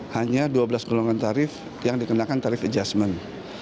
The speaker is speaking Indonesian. hanya dua belas golongan tarif yang dikenakan tarif adjustment